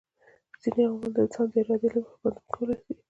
ځيني عوامل د انسان د ارادې له مخي بدلون کولای سي